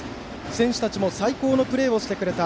選手たちも最高のプレーをしてくれた。